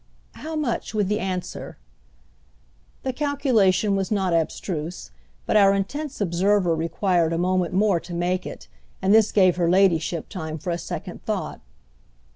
"How much, with the answer?" The calculation was not abstruse, but our intense observer required a moment more to make it, and this gave her ladyship time for a second thought.